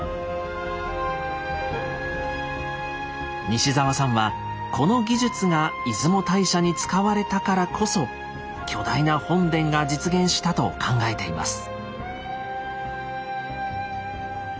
西澤さんはこの技術が出雲大社に使われたからこそ巨大な本殿が実現したと考えています。